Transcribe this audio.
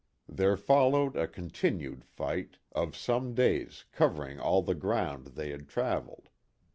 There followed a continued fight of some days covering all the ground they had traveled.